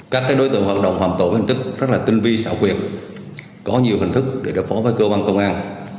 các đối tượng hoạt động phạm tội hình thức rất là tinh vi xảo quyệt có nhiều hình thức để đối phó với cơ quan công an